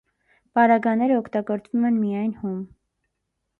Պարագաները օգտագործվում են միայն հում։